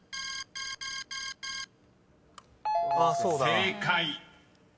［正解。